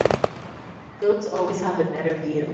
Goats always have a better view.